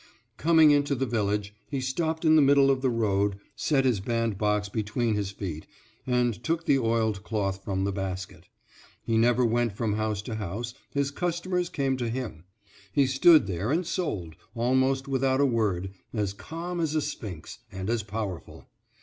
Coming into the village, he stopped in the middle of the road, set his bandbox between his feet, and took the oiled cloth from the basket. He never went from house to house, his customers came to him. He stood there and sold, almost without a word, as calm as a sphinx, and as powerful.